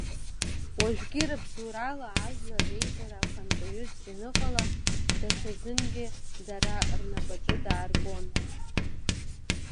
Уажәгьы, рыбзоурала ажәлар реизара хантәаҩыс даныҟала, даҽазынгьы дара рнапаҿы дааргон.